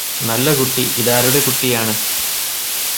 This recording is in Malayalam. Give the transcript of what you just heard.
നല്ല കുട്ടി ഇതാരുടെ കുട്ടിയാണ്